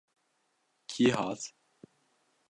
Kî hat?